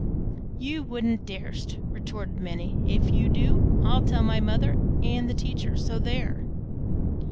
"You wouldn't darst," retorted Minnie. "If you do, I'll tell my mother and the teacher, so there!"